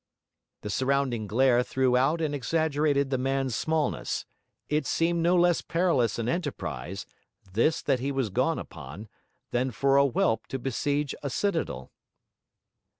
The surrounding glare threw out and exaggerated the man's smallness; it seemed no less perilous an enterprise, this that he was gone upon, than for a whelp to besiege a citadel.